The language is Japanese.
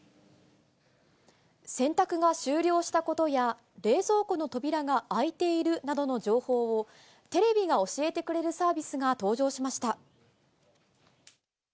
洗濯が終了したことや、冷蔵庫の扉が開いているなどの情報を、テレビが教えてくれるサービスが登場しました。